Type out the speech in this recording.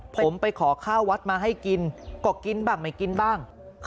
ผมไปขอข้าววัดมาให้กินก็กินบ้างไม่กินบ้าง